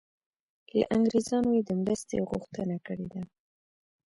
له انګریزانو یې د مرستې غوښتنه کړې ده.